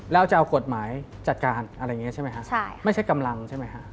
แล้วจะเอากฎหมายจัดการไม่ใช่กำลังใช่มั้ย